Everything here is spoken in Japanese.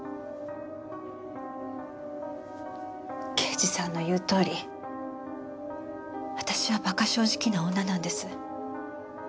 刑事さんの言うとおり私は馬鹿正直な女なんです。